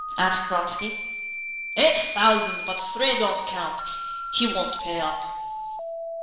asked Vronsky. "Eight thousand. But three don't count; he won't pay up."